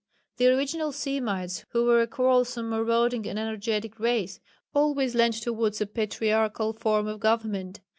The original Semites, who were a quarrelsome marauding and energetic race, always leant towards a patriarchal form of government.